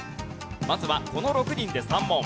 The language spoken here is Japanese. まずはこの６人で３問。